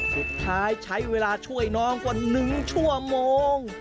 สุดท้ายใช้เวลาช่วยน้องกว่า๑ชั่วโมง